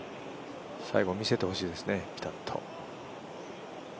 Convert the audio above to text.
最後見せてほしいですね、ピタッと。